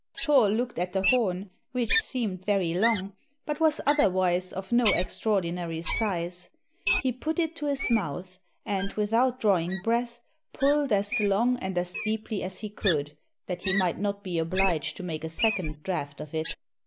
Thor looked at the horn, which seemed very long, but was otherwise of no extraordinary size. He put it to his mouth, and, without drawing breath, pulled as long and as deeply as he could, that he might not be obliged to make a second draught of it.